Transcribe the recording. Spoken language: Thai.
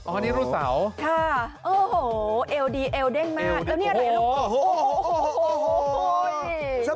อ๋ออันนี้รูดเสาเอาดีเอาเด้งมาก